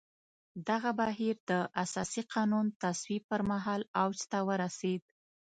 دغه بهیر د اساسي قانون تصویب پر مهال اوج ته ورسېد.